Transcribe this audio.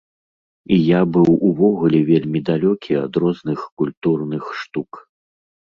І я быў увогуле вельмі далёкі ад розных культурных штук.